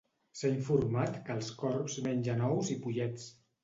S'ha informat que els corbs mengen ous i pollets.